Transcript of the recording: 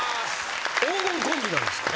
黄金コンビなんですか？